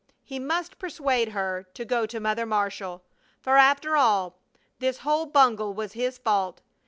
He must persuade her to go to Mother Marshall! For, after all, this whole bungle was his fault.